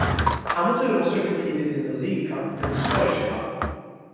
Hamilton also competed in the League Cup and the Scottish Cup.